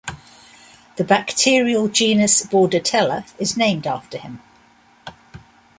The bacterial genus "Bordetella" is named after him.